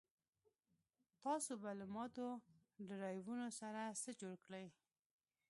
تاسو به له ماتو ډرایوونو سره څه جوړ کړئ